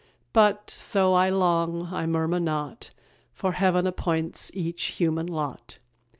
But, though I long, I murmur not, For Heaven appoints each human lot.